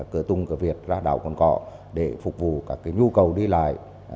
cửa tùng cửa việt ra đảo còn cò để phục vụ các nhu cầu đi lại